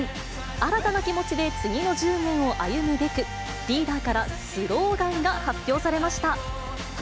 新たな気持ちで次の１０年を歩むべく、リーダーからスローガンが発表されました。